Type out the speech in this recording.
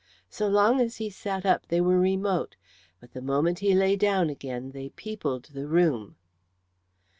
So long as he sat up they were remote, but the moment he lay down again they peopled the room.